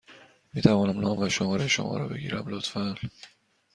می توانم نام و شماره شما را بگیرم، لطفا؟